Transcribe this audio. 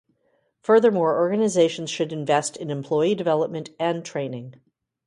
Furthermore, organizations should invest in employee development and training.